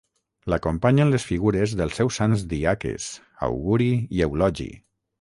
L'acompanyen les figures dels seus sants diaques, Auguri i Eulogi.